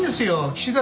岸田